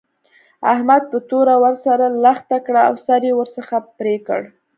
احمد په توره ور سره لښته کړه او سر يې ورڅخه پرې کړ.